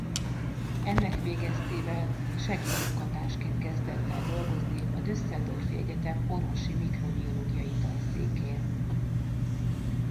Ennek végeztével segédmunkatársként kezdett el dolgozni a Düsseldorfi Egyetem orvosi mikrobiológiai tanszékén.